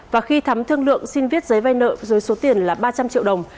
và khi thắm thương lượng xin viết giấy vay nợ dưới số tiền là ba trăm linh triệu đồng